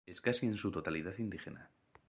Es casi en su totalidad indígena.